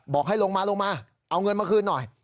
บอกให้ลงมาลงมาเอาเงินมาคืนหน่อย